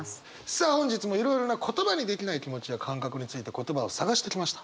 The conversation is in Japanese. さあ本日もいろいろな言葉にできない気持ちや感覚について言葉を探してきました。